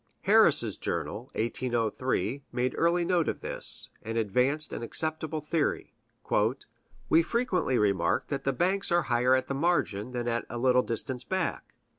Harris' Journal (1803) made early note of this, and advanced an acceptable theory: "We frequently remarked that the banks are higher at the margin than at a little distance back.